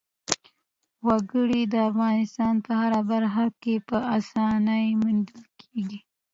وګړي د افغانستان په هره برخه کې په اسانۍ موندل کېږي.